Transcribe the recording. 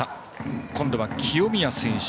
今度は清宮選手。